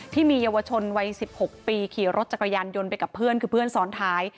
ที่มีเยาวชนวัย๑๖ปีขี่รถจักรยานยนต์ไปกับเพื่อนคือเพื่อนซ้อนท้าย